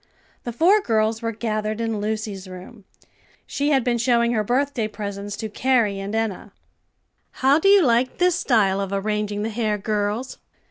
The four girls were gathered in Lucy's room. She had been showing her birthday presents to Carrie and Enna. "How do you like this style of arranging the hair, girls?"